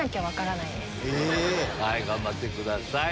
頑張ってください。